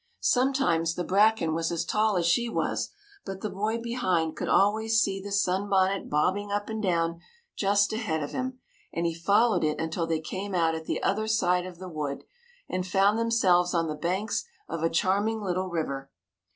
Sometimes the bracken was as tall as she was, but the boy behind could always see the sunbonnet bob bing up and down just ahead of him, and he followed it until they came out at the other side of the wood and found themselves on the banks of a charming little river.